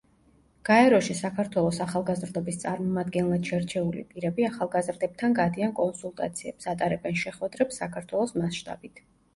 გაეროში საქართველოს ახალგაზრდობის წარმომადგენლად შერჩეული პირები ახალგაზრდებთან გადიან კონსულტაციებს, ატარებენ შეხვედრებს საქართველოს მასშტაბით.